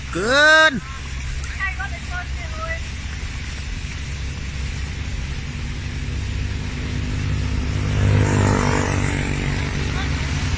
กื้น